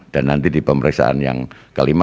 dan nanti di pemeriksaan yang kelima